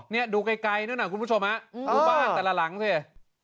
นี่ดูไกลนั่นน่ะคุณผู้ชมฮะดูบ้านแต่ละหลังสิ